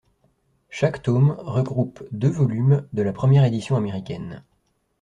Chaque tome regroupe deux volumes de la première édition américaine.